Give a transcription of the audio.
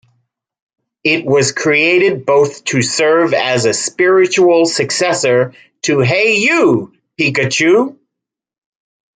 It was created both to serve as a spiritual successor to Hey You, Pikachu!